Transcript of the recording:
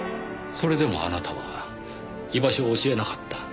それでもあなたは居場所を教えなかった。